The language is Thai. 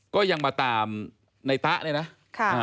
ก็ยังมาตามในตะเนี่ยนะ